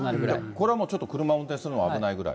これはもう、ちょっと車を運転するのは危ないぐらい。